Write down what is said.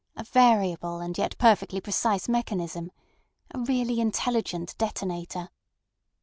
A variable and yet perfectly precise mechanism. A really intelligent detonator."